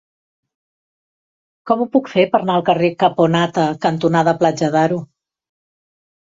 Com ho puc fer per anar al carrer Caponata cantonada Platja d'Aro?